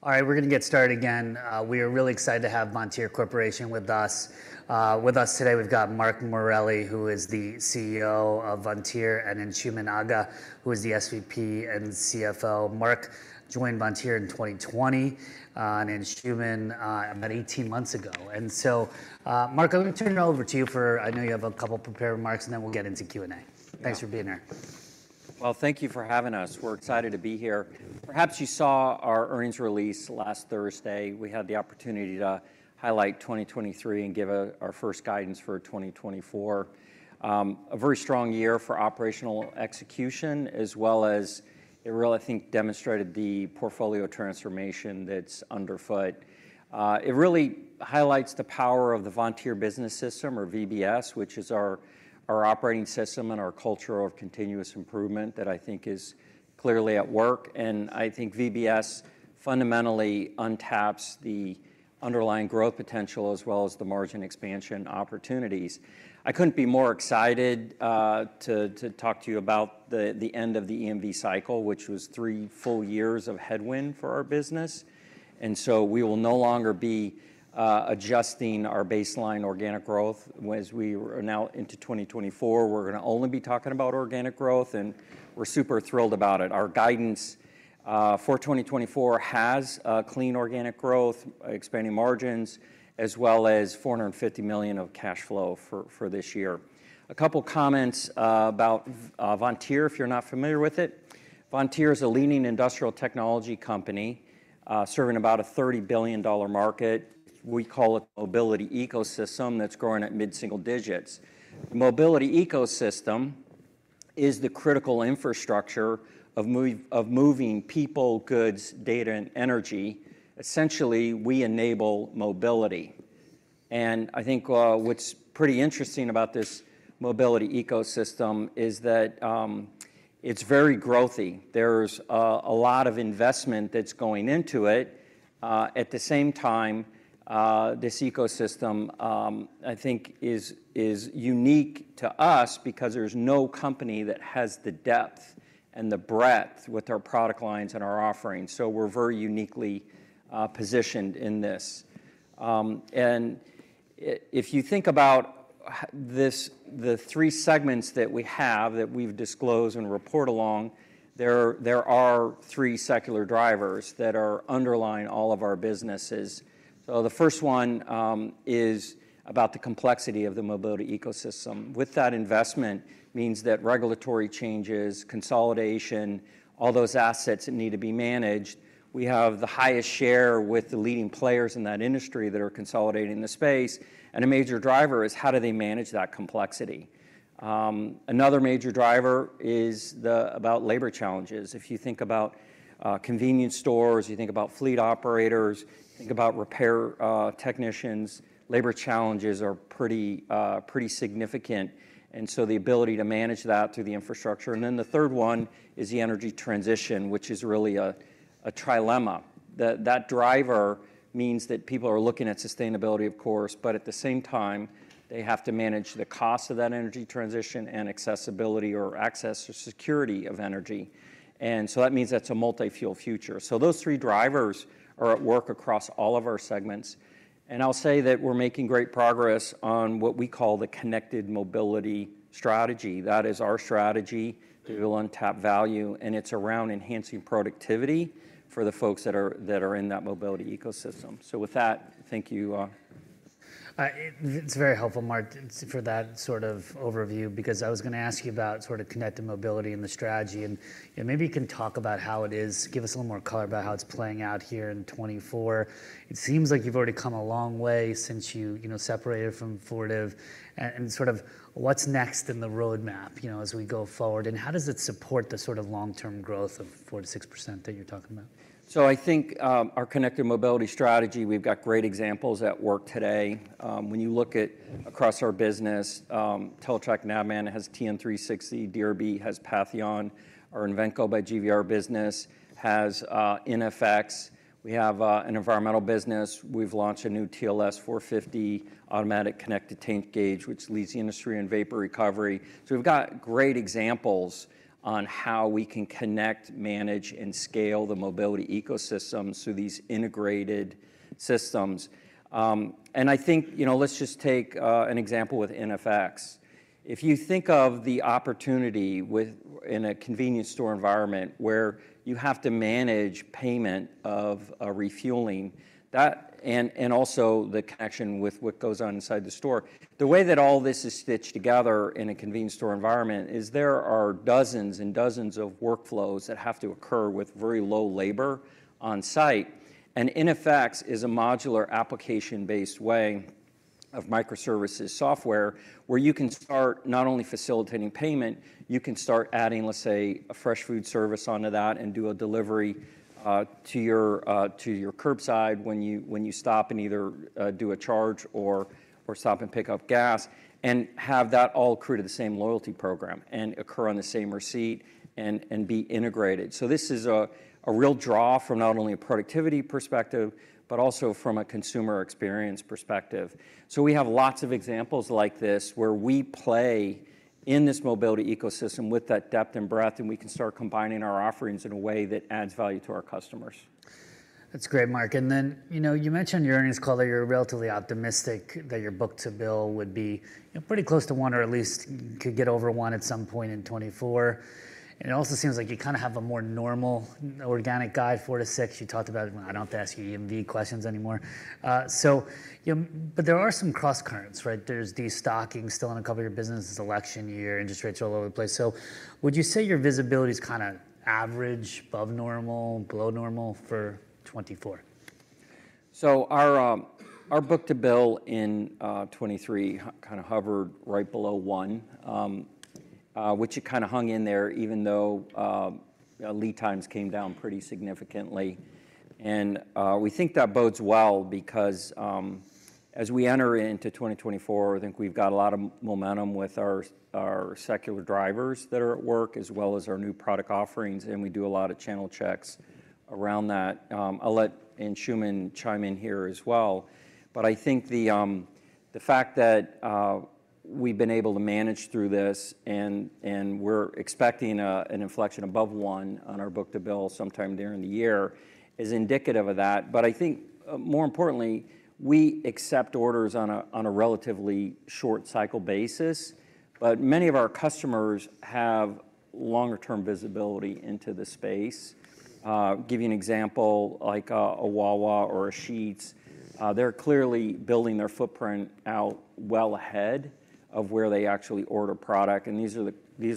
All right, we're gonna get started again. We are really excited to have Vontier Corporation with us. With us today, we've got Mark Morelli, who is the CEO of Vontier, and Anshooman Aga, who is the SVP and CFO. Mark joined Vontier in 2020, and Anshooman about 18 months ago. And so, Mark, I'm gonna turn it over to you for. I know you have a couple prepared remarks, and then we'll get into Q&A. Thanks for being here. Well, thank you for having us. We're excited to be here. Perhaps you saw our earnings release last Thursday. We had the opportunity to highlight 2023 and give our first guidance for 2024. A very strong year for operational execution, as well as it really, I think, demonstrated the portfolio transformation that's underfoot. It really highlights the power of the Vontier Business System, or VBS, which is our operating system and our culture of continuous improvement that I think is clearly at work. And I think VBS fundamentally untaps the underlying growth potential as well as the margin expansion opportunities. I couldn't be more excited to talk to you about the end of the EMV cycle, which was three full years of headwind for our business, and so we will no longer be adjusting our baseline organic growth. As we are now into 2024, we're gonna only be talking about organic growth, and we're super thrilled about it. Our guidance for 2024 has clean organic growth, expanding margins, as well as $450 million of cash flow for this year. A couple comments about Vontier, if you're not familiar with it. Vontier is a leading industrial technology company serving about a $30 billion market. We call it Mobility Ecosystem. That's growing at mid-single digits. The Mobility Ecosystem is the critical infrastructure of moving people, goods, data, and energy. Essentially, we enable mobility. And I think what's pretty interesting about this Mobility Ecosystem is that it's very growthy. There's a lot of investment that's going into it. At the same time, this ecosystem, I think, is unique to us because there's no company that has the depth and the breadth with our product lines and our offerings, so we're very uniquely positioned in this. And if you think about this, the three segments that we have, that we've disclosed and report along, there are three secular drivers that are underlying all of our businesses. So the first one is about the complexity of the Mobility Ecosystem. With that investment means that regulatory changes, consolidation, all those assets that need to be managed, we have the highest share with the leading players in that industry that are consolidating the space, and a major driver is: How do they manage that complexity? Another major driver is about labor challenges. If you think about, convenience stores, you think about fleet operators, think about repair, technicians, labor challenges are pretty, pretty significant, and so the ability to manage that through the infrastructure. And then the third one is the energy transition, which is really a trilemma. That driver means that people are looking at sustainability, of course, but at the same time, they have to manage the cost of that energy transition and accessibility or access to security of energy, and so that means that's a multi-fuel future. So those three drivers are at work across all of our segments, and I'll say that we're making great progress on what we call the Connected Mobility strategy. That is our strategy to untap value, and it's around enhancing productivity for the folks that are, that are in that Mobility Ecosystem. So with that, thank you... It's very helpful, Mark, for that sort of overview because I was gonna ask you about sort of Connected Mobility and the strategy, and maybe you can talk about how it is. Give us a little more color about how it's playing out here in 2024. It seems like you've already come a long way since you, you know, separated from Fortive, and sort of what's next in the roadmap, you know, as we go forward, and how does it support the sort of long-term growth of 4%-6% that you're talking about? So I think, our Connected Mobility strategy, we've got great examples at work today. When you look across our business, Teletrac Navman has TN360, DRB has Patheon, our Invenco by GVR business has iNFX. We have an environmental business. We've launched a new TLS-450 automatic connected tank gauge, which leads the industry in vapor recovery. So we've got great examples on how we can connect, manage, and scale the Mobility Ecosystem through these integrated systems. And I think, you know, let's just take an example with iNFX. If you think of the opportunity with. In a convenience store environment where you have to manage payment of a refueling, that and also the connection with what goes on inside the store, the way that all this is stitched together in a convenience store environment is there are dozens and dozens of workflows that have to occur with very low labor on site. And iNFX is a modular, application-based way of microservices software, where you can start not only facilitating payment, you can start adding, let's say, a fresh food service onto that and do a delivery to your curbside when you stop and either do a charge or stop and pick up gas, and have that all accrue to the same loyalty program and occur on the same receipt and be integrated. So this is a real draw from not only a productivity perspective, but also from a consumer experience perspective. So we have lots of examples like this, where we play in this Mobility Ecosystem with that depth and breadth, and we can start combining our offerings in a way that adds value to our customers. That's great, Mark. And then, you know, you mentioned in your earnings call that you're relatively optimistic that your book-to-bill would be, you know, pretty close to 1, or at least could get over 1 at some point in 2024. And it also seems like you kind of have a more normal organic guide, 4-6. You talked about it. I don't have to ask you EMV questions anymore. So, you know, but there are some crosscurrents, right? There's destocking still in a couple of your businesses, election year, interest rates are all over the place. So would you say your visibility is kind of average, above normal, below normal for 2024? So our book-to-bill in 2023 kind of hovered right below one, which it kind of hung in there, even though lead times came down pretty significantly. We think that bodes well because as we enter into 2024, I think we've got a lot of momentum with our secular drivers that are at work, as well as our new product offerings, and we do a lot of channel checks around that. I'll let Anshooman chime in here as well. But I think the fact that we've been able to manage through this and we're expecting an inflection above one on our book-to-bill sometime during the year is indicative of that. But I think more importantly, we accept orders on a relatively short cycle basis. But many of our customers have longer-term visibility into the space. Give you an example, like, a Wawa or a Sheetz, they're clearly building their footprint out well ahead of where they actually order product, and these are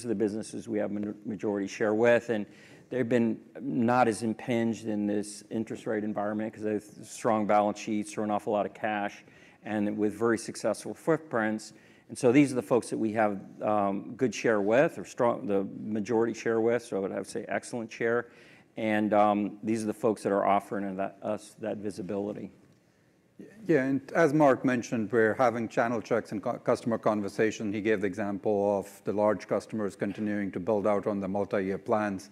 the businesses we have majority share with. And they've been not as impinged in this interest rate environment 'cause they have strong balance sheets, throw an awful lot of cash, and with very successful footprints. And so these are the folks that we have good share with or the majority share with, so I would have to say excellent share, and these are the folks that are offering us that visibility. Yeah, and as Mark mentioned, we're having channel checks and customer conversation. He gave the example of the large customers continuing to build out on the multi-year plans.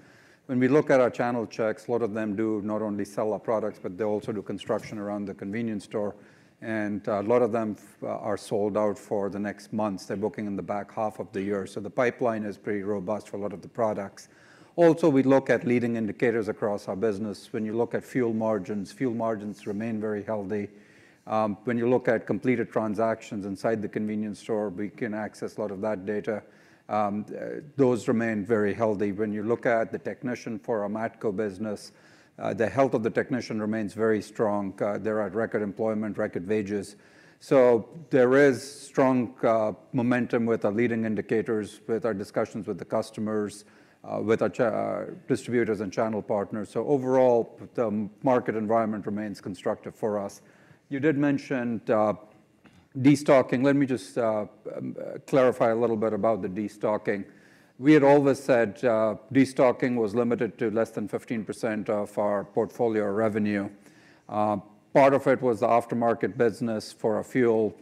When we look at our channel checks, a lot of them do not only sell our products, but they also do construction around the convenience store, and a lot of them are sold out for the next months. They're booking in the back half of the year. So the pipeline is pretty robust for a lot of the products. Also, we look at leading indicators across our business. When you look at fuel margins, fuel margins remain very healthy. When you look at completed transactions inside the convenience store, we can access a lot of that data. Those remain very healthy. When you look at the technician for our Matco business, the health of the technician remains very strong. They're at record employment, record wages. So there is strong momentum with our leading indicators, with our discussions with the customers, with our distributors and channel partners. So overall, the market environment remains constructive for us. You did mention destocking. Let me just clarify a little bit about the destocking. We had always said destocking was limited to less than 15% of our portfolio revenue. Part of it was the aftermarket business for our fuel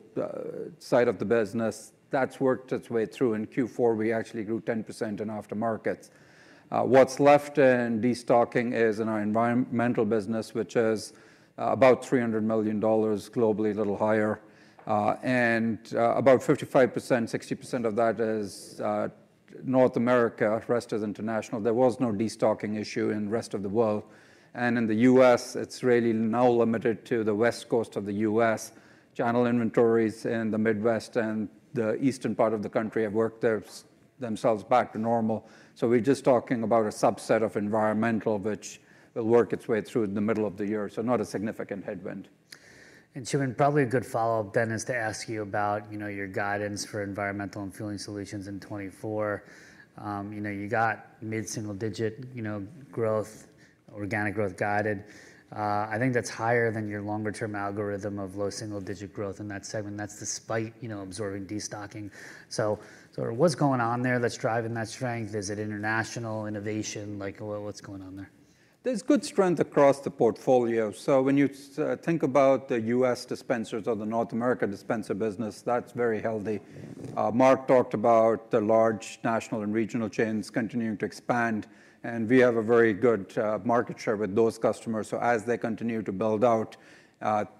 side of the business. That's worked its way through. In Q4, we actually grew 10% in aftermarkets. What's left in destocking is in our environmental business, which is about $300 million globally, a little higher, and about 55%, 60% of that is North America, the rest is international. There was no destocking issue in the rest of the world, and in the U.S., it's really now limited to the West Coast of the US Channel inventories in the Midwest and the eastern part of the country have worked themselves back to normal. So we're just talking about a subset of environmental, which will work its way through the middle of the year, so not a significant headwind. Shooman, probably a good follow-up then is to ask you about, you know, your guidance for environmental and fueling solutions in 2024. You know, you got mid-single digit, you know, growth, organic growth guided. I think that's higher than your longer-term algorithm of low single-digit growth in that segment. That's despite, you know, absorbing destocking. So sort of what's going on there that's driving that strength? Is it international innovation? Like, what, what's going on there? There's good strength across the portfolio. So when you think about the US dispensers or the North America dispenser business, that's very healthy. Mark talked about the large national and regional chains continuing to expand, and we have a very good market share with those customers. So as they continue to build out,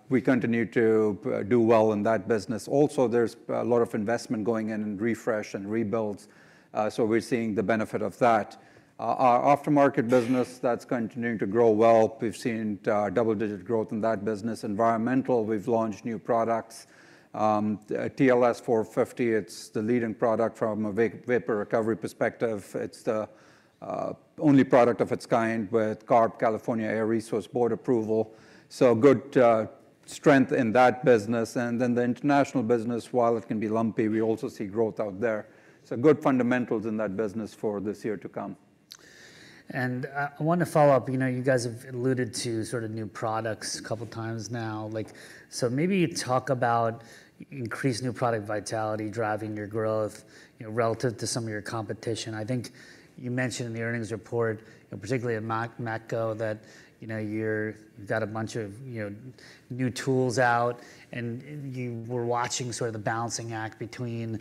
we continue to do well in that business. Also, there's a lot of investment going in in refresh and rebuilds, so we're seeing the benefit of that. Our aftermarket business, that's continuing to grow well. We've seen double-digit growth in that business. Environmental, we've launched new products. TLS-450, it's the leading product from a vapor recovery perspective. It's the only product of its kind with CARB, California Air Resources Board approval, so good strength in that business. And then the international business, while it can be lumpy, we also see growth out there. So good fundamentals in that business for this year to come. I want to follow up. You know, you guys have alluded to sort of new products a couple times now. Like, so maybe talk about increased new product vitality driving your growth, you know, relative to some of your competition. I think you mentioned in the earnings report, and particularly at Matco, that, you know, you've got a bunch of, you know, new tools out, and you were watching sort of the balancing act between,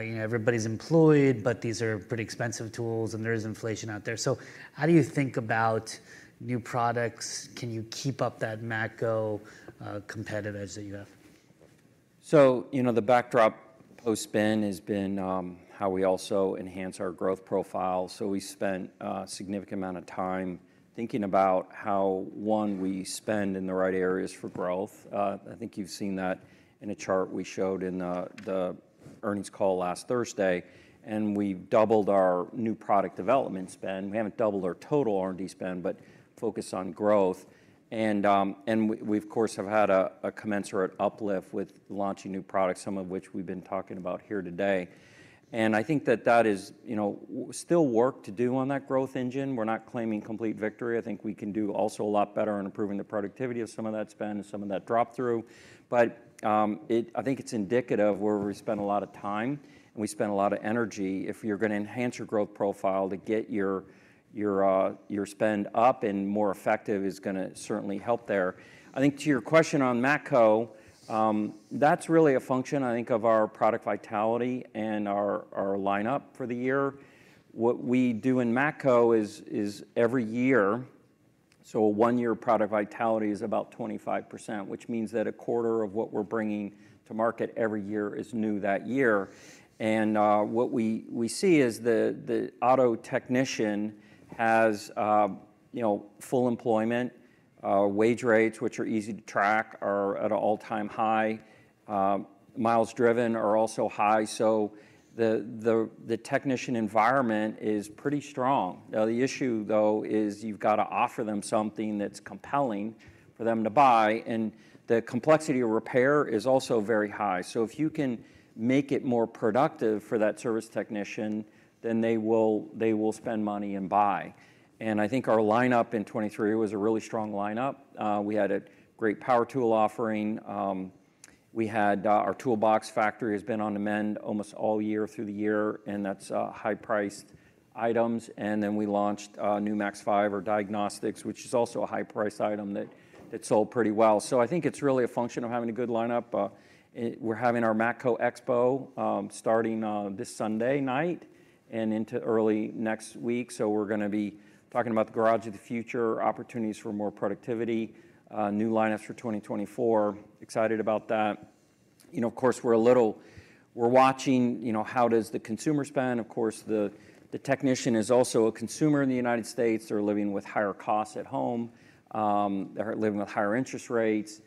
you know, everybody's employed, but these are pretty expensive tools, and there is inflation out there. So how do you think about new products? Can you keep up that Matco competitive edge that you have? So, you know, the backdrop post-spin has been how we also enhance our growth profile. So we spent a significant amount of time thinking about how, one, we spend in the right areas for growth. I think you've seen that in a chart we showed in the earnings call last Thursday, and we've doubled our new product development spend. We haven't doubled our total R&D spend, but focused on growth. And we of course have had a commensurate uplift with launching new products, some of which we've been talking about here today. And I think that that is, you know, still work to do on that growth engine. We're not claiming complete victory. I think we can do also a lot better on improving the productivity of some of that spend and some of that drop-through. But I think it's indicative where we spend a lot of time, and we spend a lot of energy. If you're gonna enhance your growth profile to get your spend up and more effective is gonna certainly help there. I think to your question on Matco, that's really a function, I think, of our product vitality and our lineup for the year. What we do in Matco is every year, so a one-year product vitality is about 25%, which means that a quarter of what we're bringing to market every year is new that year. And what we see is the auto technician has, you know, full employment. Wage rates, which are easy to track, are at an all-time high. Miles driven are also high, so the technician environment is pretty strong. The issue, though, is you've got to offer them something that's compelling for them to buy, and the complexity of repair is also very high. So if you can make it more productive for that service technician, then they will, they will spend money and buy. And I think our lineup in 2023 was a really strong lineup. We had a great power tool offering. We had our toolbox factory has been on the mend almost all year through the year, and that's high-priced items. And then we launched new Max 5, our diagnostics, which is also a high-priced item that sold pretty well. So I think it's really a function of having a good lineup. We're having our Matco Expo starting this Sunday night and into early next week, so we're gonna be talking about the garage of the future, opportunities for more productivity, new lineups for 2024. Excited about that. You know, of course, we're a little... We're watching, you know, how does the consumer spend? Of course, the technician is also a consumer in the United States. They're living with higher costs at home. They're living with higher interest rates.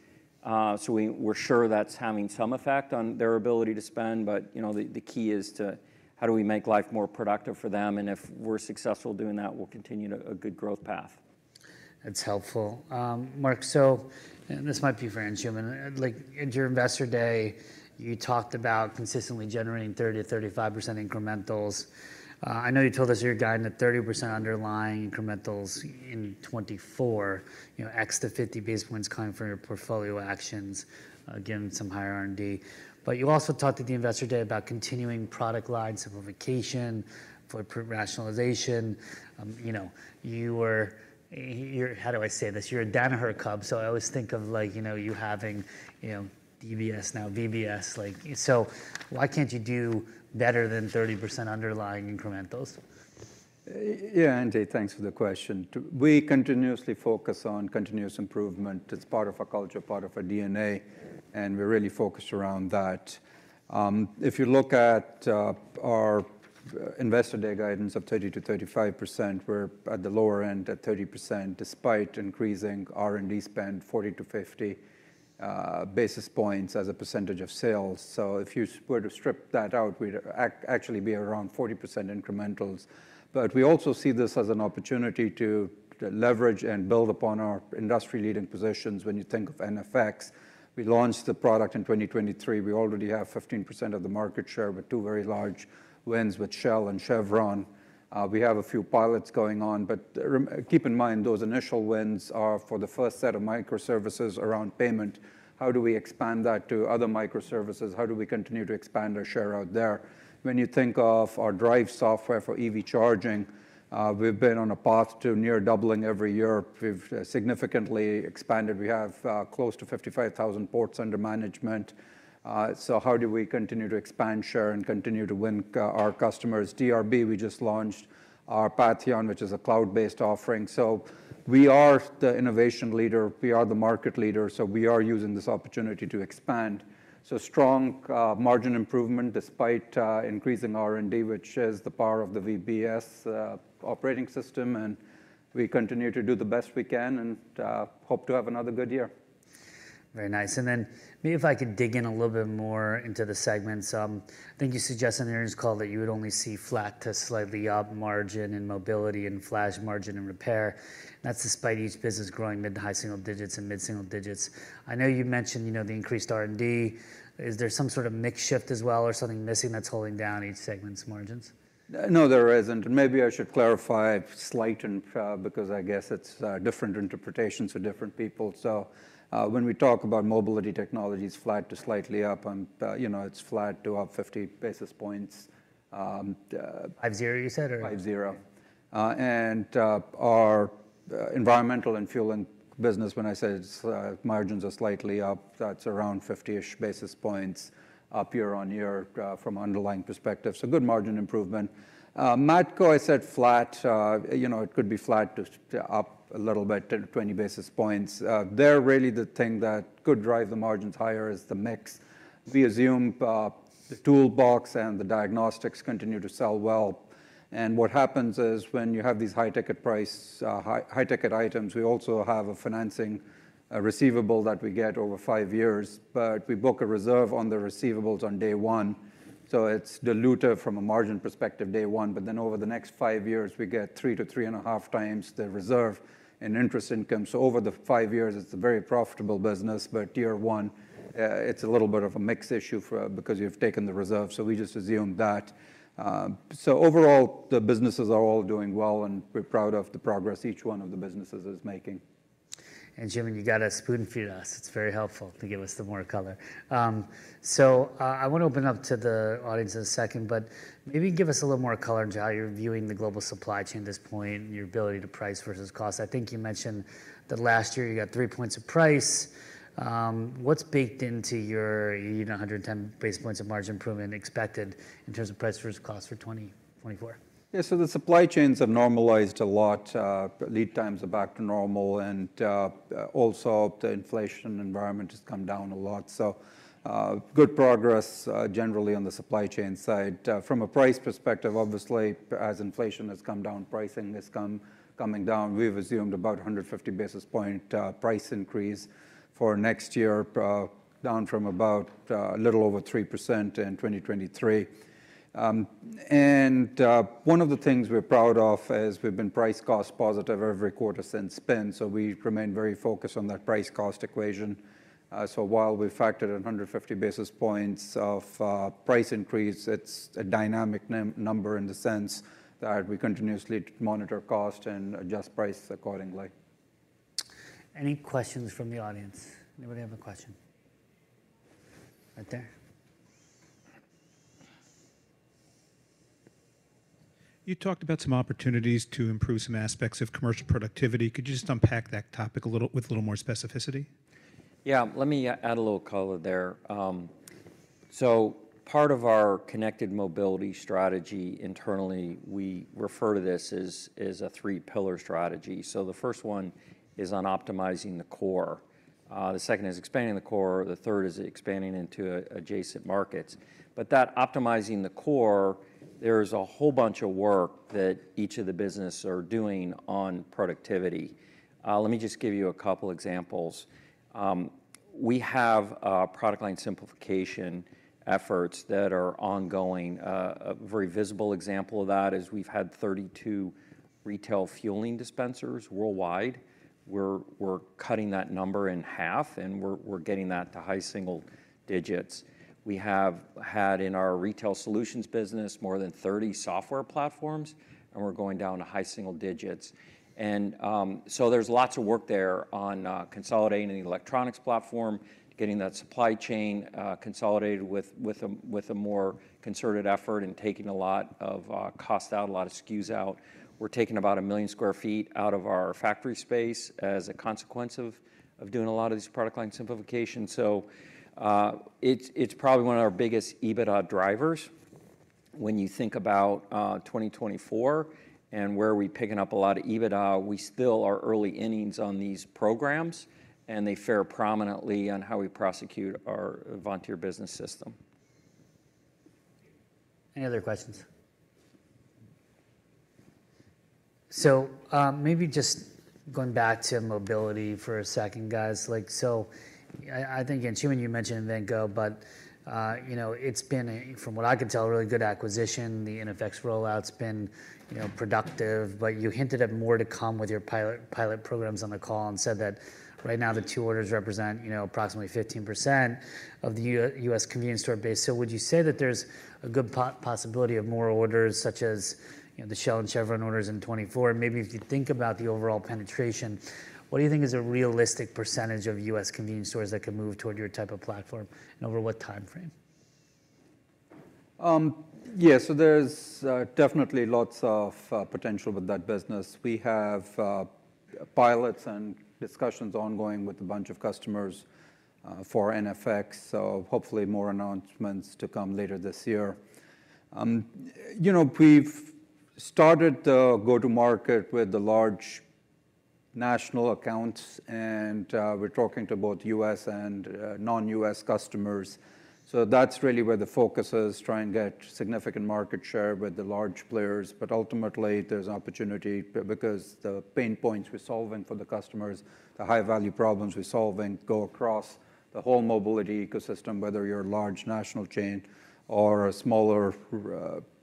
So we're sure that's having some effect on their ability to spend, but, you know, the key is to how do we make life more productive for them? And if we're successful doing that, we'll continue to a good growth path. That's helpful. Mark, so, and this might be for Anshooman, like, at your Investor Day, you talked about consistently generating 30%-35% incrementals. I know you told us your guide net 30% underlying incrementals in 2024, you know, X to 50 basis points, calling for your portfolio actions, again, some higher R&D. But you also talked at the Investor Day about continuing product line simplification, footprint rationalization. You know, you were—you're—how do I say this? You're a Danaher cub, so I always think of, like, you know, you having, you know, DBS, now VBS. Like, so why can't you do better than 30% underlying incrementals? Yeah, Andy, thanks for the question. We continuously focus on continuous improvement. It's part of our culture, part of our DNA, and we're really focused around that. If you look at our Investor Day guidance of 30%-35%, we're at the lower end at 30%, despite increasing R&D spend 40-50 basis points as a percentage of sales. So if you were to strip that out, we'd actually be around 40% incrementals. But we also see this as an opportunity to leverage and build upon our industry-leading positions when you think of iNFX. We launched the product in 2023. We already have 15% of the market share with two very large wins with Shell and Chevron. We have a few pilots going on, but keep in mind, those initial wins are for the first set of microservices around payment. How do we expand that to other microservices? How do we continue to expand our share out there? When you think of our Driivz software for EV charging, we've been on a path to near doubling every year. We've significantly expanded. We have close to 55,000 ports under management. So how do we continue to expand share and continue to win our customers? DRB, we just launched our Patheon, which is a cloud-based offering. So we are the innovation leader. We are the market leader, so we are using this opportunity to expand. So strong margin improvement despite increasing R&D, which is the power of the VBS operating system, and we continue to do the best we can and hope to have another good year. Very nice. And then maybe if I could dig in a little bit more into the segments. I think you suggested in the earnings call that you would only see flat to slightly up margin in Mobility and flat margin in Repair. That's despite each business growing mid- to high-single digits and mid-single digits. I know you mentioned, you know, the increased R&D. Is there some sort of mix shift as well or something missing that's holding down each segment's margins? No, there isn't, and maybe I should clarify slight and... Because I guess it's different interpretations for different people. So, when we talk about Mobility Technologies, flat to slightly up, and, you know, it's flat to up 50 basis points. 50, you said, or? 50. And our environmental and fuel business, when I say its margins are slightly up, that's around 50-ish basis points up year on year from underlying perspective. So good margin improvement. Matco, I said flat, you know, it could be flat to up a little bit, 10-20 basis points. There, really the thing that could drive the margins higher is the mix. We assume the toolbox and the diagnostics continue to sell well. And what happens is when you have these high-ticket price, high-ticket items, we also have a financing receivable that we get over 5 years, but we book a reserve on the receivables on day one, so it's dilutive from a margin perspective day one. But then over the next five years, we get 3x-3.5x the reserve in interest income. So over the five years, it's a very profitable business, but year one, it's a little bit of a mix issue for, because you've taken the reserve. So we just assumed that. So overall, the businesses are all doing well, and we're proud of the progress each one of the businesses is making. Anshooman, you gotta spoon-feed us. It's very helpful to give us the more color. I want to open up to the audience in a second, but maybe give us a little more color into how you're viewing the global supply chain at this point and your ability to price versus cost. I think you mentioned that last year you got three points of price. What's baked into your, you know, 110 basis points of margin improvement expected in terms of price versus cost for 2024? Yeah, so the supply chains have normalized a lot. Lead times are back to normal, and also the inflation environment has come down a lot, so good progress generally on the supply chain side. From a price perspective, obviously, as inflation has come down, pricing is coming down. We've assumed about 150 basis points price increase for next year, down from about a little over 3% in 2023. One of the things we're proud of is we've been price cost positive every quarter since spin, so we remain very focused on that price cost equation. So while we've factored in 150 basis points of price increase, it's a dynamic number in the sense that we continuously monitor cost and adjust price accordingly. Any questions from the audience? Anybody have a question? Right there. You talked about some opportunities to improve some aspects of commercial productivity. Could you just unpack that topic a little, with a little more specificity? Yeah, let me add a little color there. So part of our Connected Mobility strategy internally, we refer to this as a three-pillar strategy. So the first one is on optimizing the core. The second is expanding the core, the third is expanding into adjacent markets. But that optimizing the core, there's a whole bunch of work that each of the business are doing on productivity. Let me just give you a couple examples. We have product line simplification efforts that are ongoing. A very visible example of that is we've had 32 retail fueling dispensers worldwide. We're cutting that number in half, and we're getting that to high single digits. We have had in our retail solutions business, more than 30 software platforms, and we're going down to high single digits. So there's lots of work there on consolidating the electronics platform, getting that supply chain consolidated with a more concerted effort and taking a lot of cost out, a lot of SKUs out. We're taking about 1 million sq ft out of our factory space as a consequence of doing a lot of this product line simplification. It's probably one of our biggest EBITDA drivers when you think about 2024 and where we are picking up a lot of EBITDA. We still are early innings on these programs, and they fare prominently on how we prosecute our Vontier business system. Any other questions? So, maybe just going back to mobility for a second, guys. Like, so I think, Anshooman, you mentioned Invenco, but you know, it's been, from what I can tell, a really good acquisition. The iNFX rollout's been, you know, productive, but you hinted at more to come with your pilot programs on the call and said that right now, the 2 orders represent, you know, approximately 15% of the U.S. convenience store base. So would you say that there's a good possibility of more orders, such as, you know, the Shell and Chevron orders in 2024? And maybe if you think about the overall penetration, what do you think is a realistic percentage of U.S. convenience stores that could move toward your type of platform, and over what timeframe? Yeah, so there's definitely lots of potential with that business. We have pilots and discussions ongoing with a bunch of customers for iNFX, so hopefully more announcements to come later this year. You know, we've started the go-to-market with the large national accounts, and we're talking to both US and non-US customers. So that's really where the focus is, try and get significant market share with the large players. But ultimately, there's opportunity because the pain points we're solving for the customers, the high-value problems we're solving, go across the whole Mobility Ecosystem, whether you're a large national chain or a smaller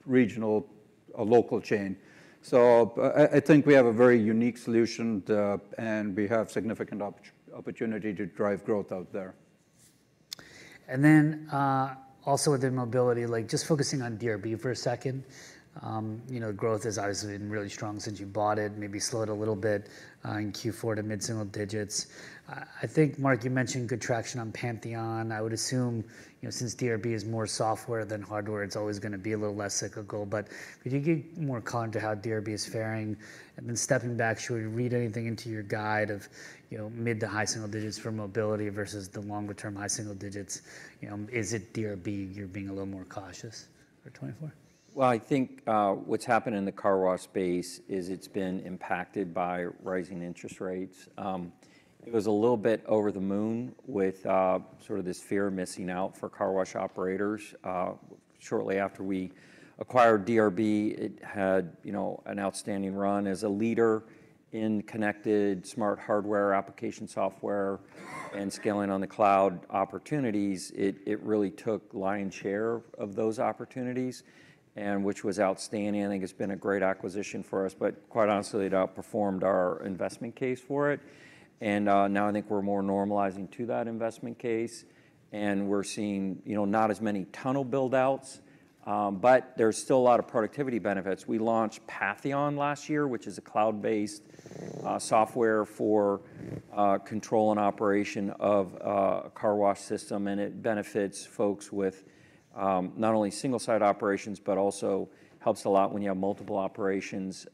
regional or local chain. So I think we have a very unique solution, and we have significant opportunity to drive growth out there. And then, also within mobility, like just focusing on DRB for a second. You know, growth has obviously been really strong since you bought it, maybe slowed a little bit, in Q4 to mid-single digits. I think, Mark, you mentioned good traction on Patheon. I would assume, you know, since DRB is more software than hardware, it's always gonna be a little less cyclical. But could you give more color into how DRB is faring? And then stepping back, should we read anything into your guide of, you know, mid- to high-single digits for mobility versus the longer-term high-single digits? You know, is it DRB, you're being a little more cautious for 2024? Well, I think what's happened in the car wash space is it's been impacted by rising interest rates. It was a little bit over the moon with sort of this fear of missing out for car wash operators. Shortly after we acquired DRB, it had, you know, an outstanding run as a leader in connected smart hardware, application software, and scaling on the cloud opportunities. It really took lion's share of those opportunities, and which was outstanding. I think it's been a great acquisition for us, but quite honestly, it outperformed our investment case for it. And now I think we're more normalizing to that investment case, and we're seeing, you know, not as many tunnel build-outs, but there's still a lot of productivity benefits. We launched Patheon last year, which is a cloud-based software for control and operation of a car wash system, and it benefits folks with not only single-site operations, but also helps a lot when you have multiple operations.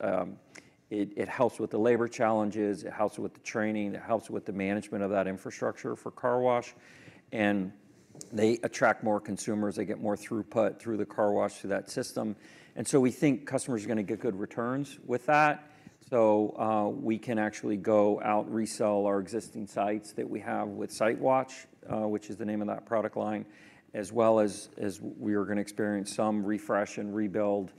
It helps with the labor challenges, it helps with the training, it helps with the management of that infrastructure for car wash, and they attract more consumers. They get more throughput through the car wash to that system. And so we think customers are gonna get good returns with that. So, we can actually go out and resell our existing sites that we have with SiteWatch, which is the name of that product line, as well as, as we are gonna experience some refresh and rebuild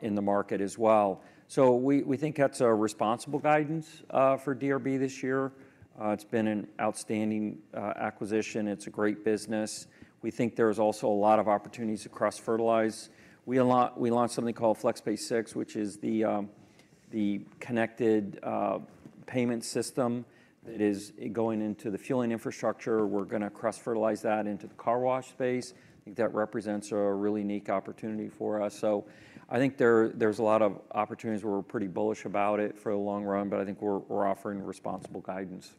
in the market as well. So we, we think that's a responsible guidance for DRB this year. It's been an outstanding acquisition. It's a great business. We think there's also a lot of opportunities to cross-fertilize. We launched something called FlexPay 6, which is the connected payment system that is going into the fueling infrastructure. We're gonna cross-fertilize that into the car wash space. I think that represents a really unique opportunity for us. So I think there, there's a lot of opportunities where we're pretty bullish about it for the long run, but I think we're, we're offering responsible guidance.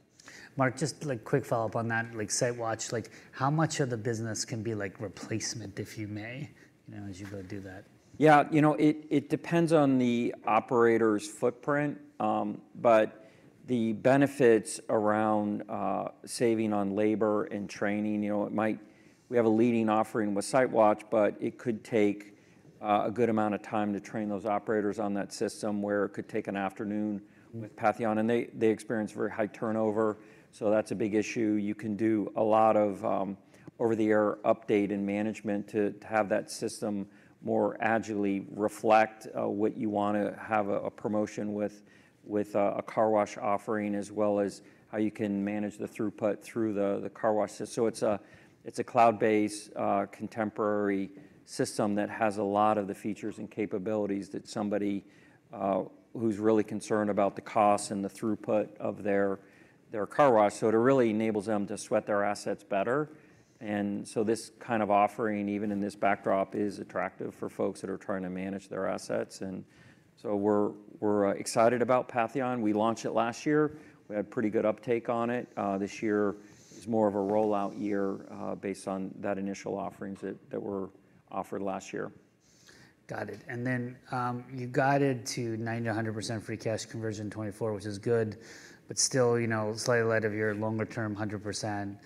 Mark, just, like, quick follow-up on that, like, SiteWatch, like, how much of the business can be, like, replacement, if you may, you know, as you go do that? Yeah, you know, it depends on the operator's footprint, but the benefits around saving on labor and training, you know, it might... We have a leading offering with SiteWatch, but it could take a good amount of time to train those operators on that system, where it could take an afternoon with Patheon, and they experience very high turnover, so that's a big issue. You can do a lot of over-the-air update and management to have that system more agilely reflect what you want to have a promotion with a car wash offering, as well as how you can manage the throughput through the car wash system. So it's a, it's a cloud-based, contemporary system that has a lot of the features and capabilities that somebody, who's really concerned about the cost and the throughput of their, their car wash. So it really enables them to sweat their assets better. And so this kind of offering, even in this backdrop, is attractive for folks that are trying to manage their assets. And so we're, we're, excited about Patheon. We launched it last year. We had pretty good uptake on it. This year is more of a rollout year, based on that initial offerings that, that were offered last year. Got it. And then, you guided to 90%-100% free cash conversion in 2024, which is good, but still, you know, slightly ahead of your longer-term 100%.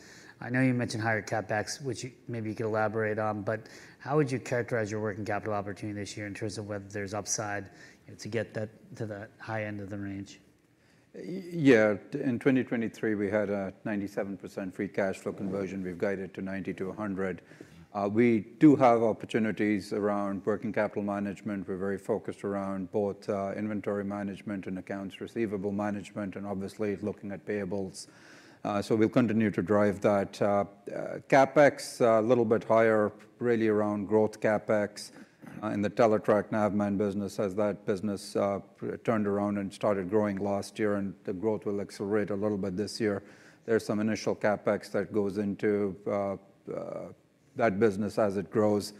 I know you mentioned higher CapEx, which, maybe you could elaborate on, but how would you characterize your working capital opportunity this year in terms of whether there's upside, you know, to get that to that high end of the range? Yeah, in 2023, we had a 97% free cash flow conversion. We've guided to 90%-100%. We do have opportunities around working capital management. We're very focused around both inventory management and accounts receivable management, and obviously looking at payables. So we'll continue to drive that. CapEx, a little bit higher, really around growth CapEx in the Teletrac Navman business, as that business turned around and started growing last year, and the growth will accelerate a little bit this year. There's some initial CapEx that goes into that business as it grows,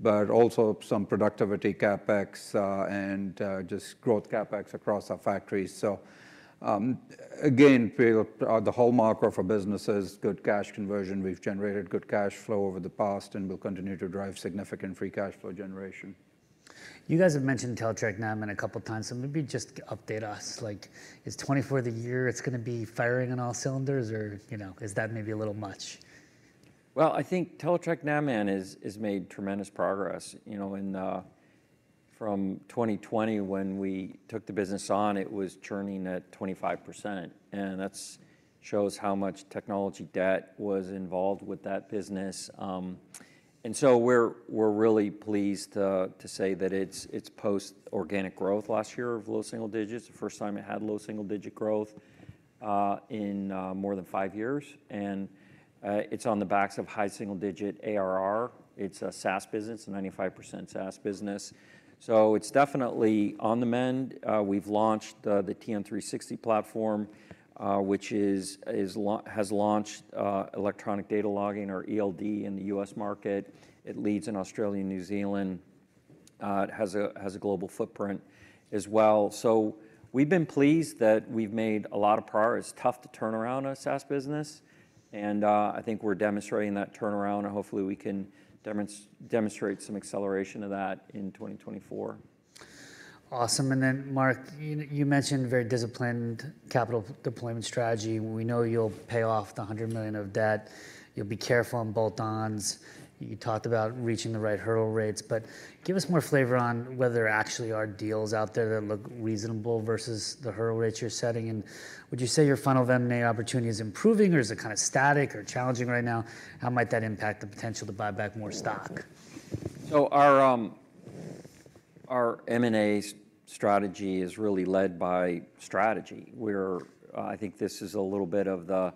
but also some productivity CapEx, and just growth CapEx across our factories. So, again, the hallmark of our business is good cash conversion. We've generated good cash flow over the past, and we'll continue to drive significant free cash flow generation. You guys have mentioned Teletrac Navman a couple times, so maybe just update us, like, is 2024 the year it's gonna be firing on all cylinders? Or, you know, is that maybe a little much? Well, I think Teletrac Navman has made tremendous progress. You know, from 2020, when we took the business on, it was churning at 25%, and that shows how much technology debt was involved with that business. And so we're really pleased to say that it's post-organic growth last year of low single digits. The first time it had low single-digit growth in more than five years, and it's on the backs of high single-digit ARR. It's a SaaS business, a 95% SaaS business, so it's definitely on the mend. We've launched the TN360 platform, which has launched electronic data logging, or ELD, in the US market. It leads in Australia and New Zealand. It has a global footprint as well. So we've been pleased that we've made a lot of progress. It's tough to turn around a SaaS business, and I think we're demonstrating that turnaround, and hopefully we can demonstrate some acceleration of that in 2024. Awesome. And then, Mark, you mentioned very disciplined capital deployment strategy. We know you'll pay off the $100 million of debt. You'll be careful on bolt-ons. You talked about reaching the right hurdle rates, but give us more flavor on whether there actually are deals out there that look reasonable versus the hurdle rates you're setting. And would you say your funnel of M&A opportunity is improving, or is it kind of static or challenging right now? How might that impact the potential to buy back more stock? So our M&A strategy is really led by strategy, where I think this is a little bit of the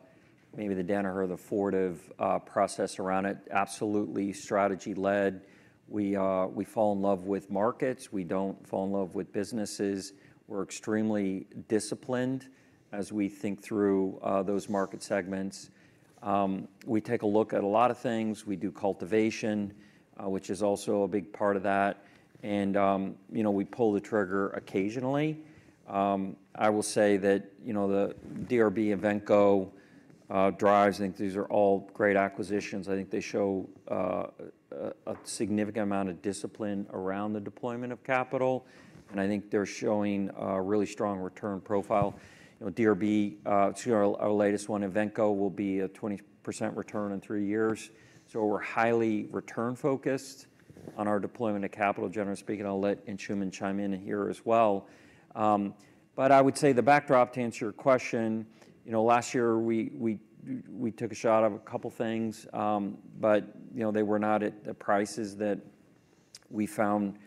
maybe the Danaher, the Fortive process around it. Absolutely strategy-led. We fall in love with markets; we don't fall in love with businesses. We're extremely disciplined as we think through those market segments. We take a look at a lot of things. We do cultivation, which is also a big part of that, and you know, we pull the trigger occasionally. I will say that, you know, the DRB, Invenco, Driivz I think these are all great acquisitions. I think they show a significant amount of discipline around the deployment of capital, and I think they're showing a really strong return profile. You know, DRB, to our latest one, Invenco, will be a 20% return in three years. So we're highly return-focused on our deployment of capital, generally speaking. I'll let Anshooman chime in here as well. But I would say the backdrop, to answer your question, you know, last year we took a shot at a couple things, but, you know, they were not at the prices that we found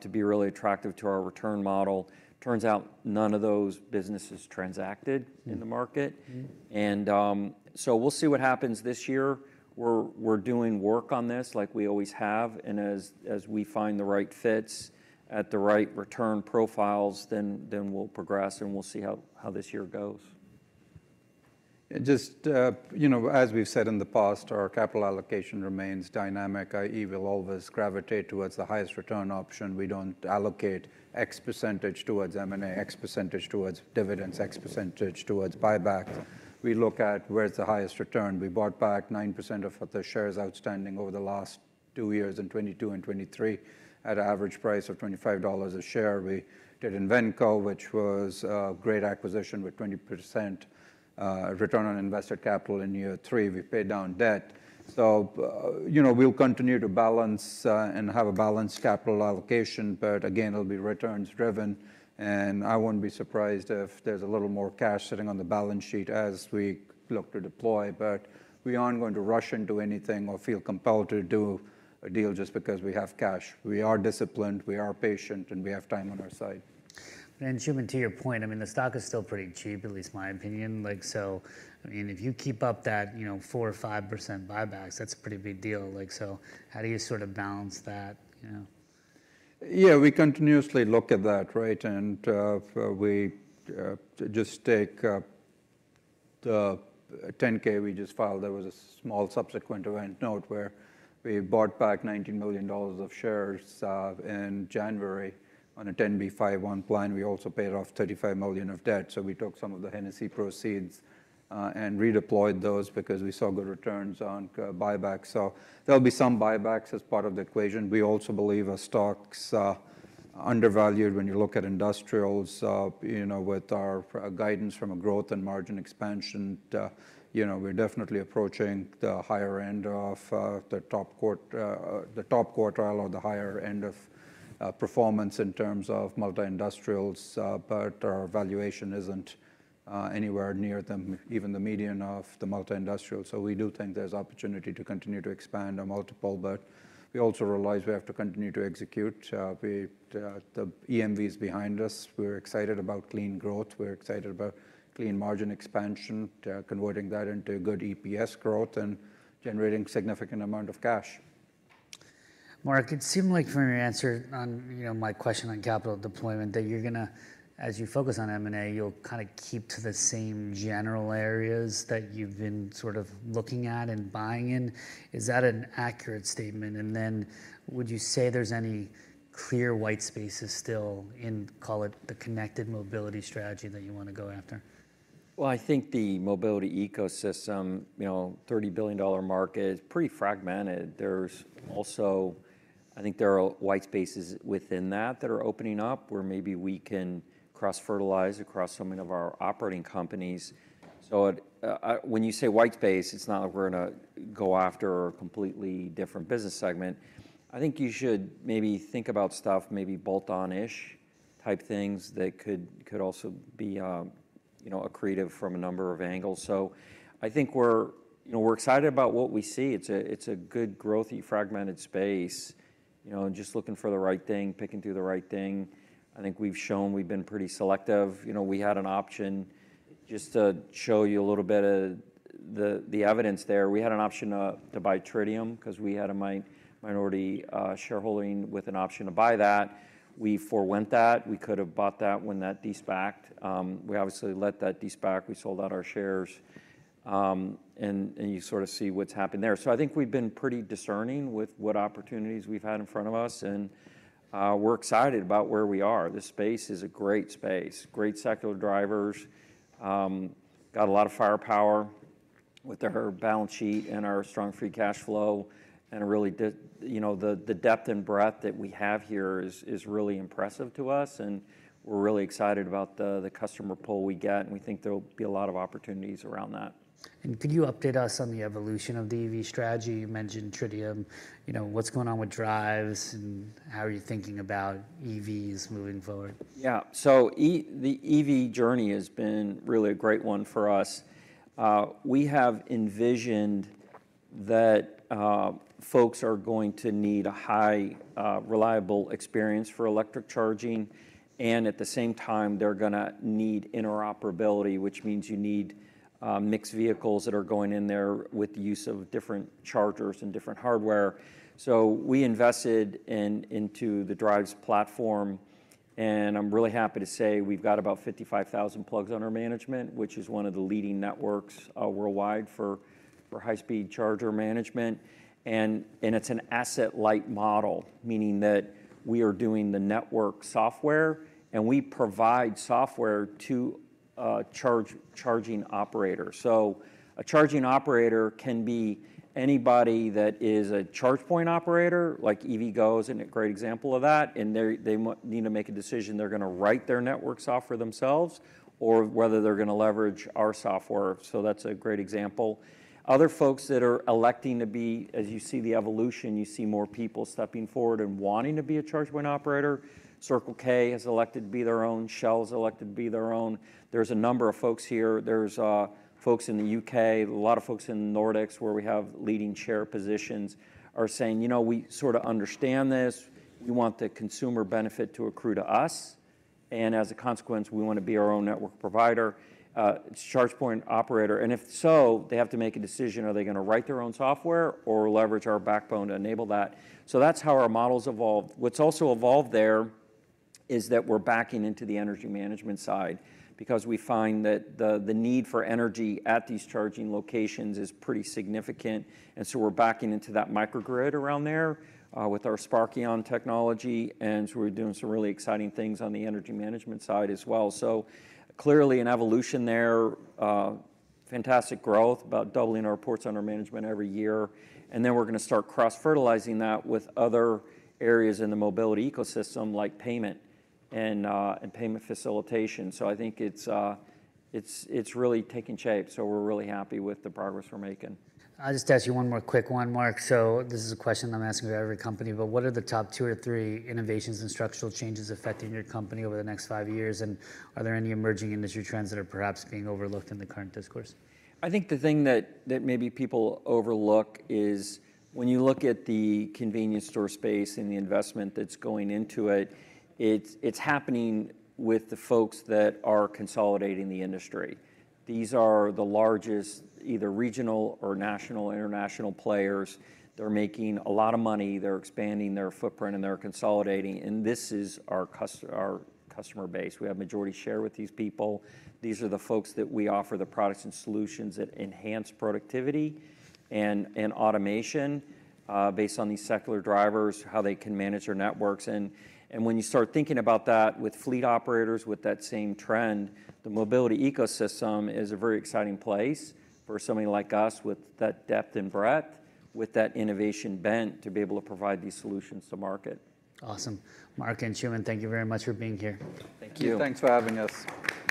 to be really attractive to our return model. Turns out none of those businesses transacted in the market. Mm-hmm. So we'll see what happens this year. We're doing work on this, like we always have, and as we find the right fits at the right return profiles, then we'll progress, and we'll see how this year goes. Just, you know, as we've said in the past, our capital allocation remains dynamic, i.e., we'll always gravitate towards the highest return option. We don't allocate X percentage towards M&A, X percentage towards dividends, X percentage towards buyback. We look at where's the highest return. We bought back 9% of the shares outstanding over the last two years, in 2022 and 2023, at an average price of $25 a share. We did Invenco, which was a great acquisition with 20% return on investor capital in year three. We paid down debt. So, you know, we'll continue to balance and have a balanced capital allocation, but again, it'll be returns-driven. And I wouldn't be surprised if there's a little more cash sitting on the balance sheet as we look to deploy. But we aren't going to rush into anything or feel compelled to do a deal just because we have cash. We are disciplined, we are patient, and we have time on our side. And, Anshooman, to your point, I mean, the stock is still pretty cheap, at least in my opinion. Like, so, I mean, if you keep up that, you know, 4% or 5% buybacks, that's a pretty big deal. Like, so how do you sort of balance that, you know? Yeah, we continuously look at that, right? We just take the 10-K we just filed. There was a small subsequent event note where we bought back $90 million of shares in January on a 10b5-1 plan. We also paid off $35 million of debt. So we took some of the Hennessy proceeds and redeployed those because we saw good returns on buyback. So there'll be some buybacks as part of the equation. We also believe our stock's undervalued when you look at industrials. You know, with our guidance from a growth and margin expansion, you know, we're definitely approaching the higher end of the top quartile or the higher end of performance in terms of multi-industrials, but our valuation isn't anywhere near the even the median of the multi-industrial. So we do think there's opportunity to continue to expand our multiple, but we also realize we have to continue to execute. The EMV's behind us. We're excited about clean growth. We're excited about clean margin expansion, converting that into good EPS growth and generating significant amount of cash. Mark, it seemed like from your answer on, you know, my question on capital deployment, that you're gonna, as you focus on M&A, you'll kinda keep to the same general areas that you've been sort of looking at and buying in. Is that an accurate statement? And then would you say there's any clear white spaces still in, call it, the Connected Mobility strategy that you wanna go after? Well, I think the Mobility Ecosystem, you know, $30 billion market, is pretty fragmented. There's also... I think there are white spaces within that that are opening up, where maybe we can cross-fertilize across some of our operating companies. So at, when you say white space, it's not like we're gonna go after a completely different business segment. I think you should maybe think about stuff, maybe bolt-on-ish type things that could, could also be, you know, accretive from a number of angles. So I think we're, you know, we're excited about what we see. It's a, it's a good growthy, fragmented space. You know, just looking for the right thing, picking through the right thing. I think we've shown we've been pretty selective. You know, we had an option, just to show you a little bit of the evidence there, we had an option to buy Tritium, 'cause we had a minority shareholding with an option to buy that. We forewent that. We could have bought that when that de-SPAC'd. We obviously let that de-SPAC, we sold out our shares, and you sort of see what's happened there. So I think we've been pretty discerning with what opportunities we've had in front of us, and we're excited about where we are. This space is a great space, great secular drivers. Got a lot of firepower with our balance sheet and our strong free cash flow, and a really, you know, the depth and breadth that we have here is really impressive to us, and we're really excited about the customer pull we get, and we think there will be a lot of opportunities around that. Could you update us on the evolution of the EV strategy? You mentioned Tritium. You know, what's going on with Driivz, and how are you thinking about EVs moving forward? Yeah. So the EV journey has been really a great one for us. We have envisioned that folks are going to need a high reliable experience for electric charging, and at the same time, they're gonna need interoperability, which means you need mixed vehicles that are going in there with the use of different chargers and different hardware. So we invested into the Driivz platform, and I'm really happy to say we've got about 55,000 plugs under management, which is one of the leading networks worldwide for high-speed charger management. And it's an asset-light model, meaning that we are doing the network software, and we provide software to charging operators. So a charging operator can be anybody that is a charge point operator, like EVgo is a great example of that, and they need to make a decision they're gonna write their network software themselves or whether they're gonna leverage our software. So that's a great example. Other folks that are electing to be... As you see the evolution, you see more people stepping forward and wanting to be a charge point operator. Circle K has elected to be their own. Shell has elected to be their own. There's a number of folks here. There's folks in the U.K., a lot of folks in the Nordics, where we have leading share positions, are saying, "You know, we sorta understand this. We want the consumer benefit to accrue to us, and as a consequence, we wanna be our own network provider, charge point operator." And if so, they have to make a decision. Are they gonna write their own software or leverage our backbone to enable that? So that's how our model's evolved. What's also evolved there is that we're backing into the energy management side because we find that the need for energy at these charging locations is pretty significant, and so we're backing into that microgrid around there, with our Sparkion technology, and so we're doing some really exciting things on the energy management side as well. So clearly, an evolution there. Fantastic growth, about doubling our reports under management every year. And then we're gonna start cross-fertilizing that with other areas in the Mobility Ecosystem, like payment and, and payment facilitation. So I think it's really taking shape, so we're really happy with the progress we're making. I'll just ask you one more quick one, Mark. So this is a question I'm asking of every company, but what are the top two or three innovations and structural changes affecting your company over the next five years? And are there any emerging industry trends that are perhaps being overlooked in the current discourse? I think the thing that maybe people overlook is when you look at the convenience store space and the investment that's going into it, it's happening with the folks that are consolidating the industry. These are the largest, either regional or national, international players. They're making a lot of money. They're expanding their footprint, and they're consolidating, and this is our customer base. We have majority share with these people. These are the folks that we offer the products and solutions that enhance productivity and automation, based on these secular drivers, how they can manage their networks. And when you start thinking about that with fleet operators, with that same trend, the Mobility Ecosystem is a very exciting place for somebody like us with that depth and breadth, with that innovation bent, to be able to provide these solutions to market. Awesome. Mark and Anshooman, thank you very much for being here. Thank you. Thanks for having us.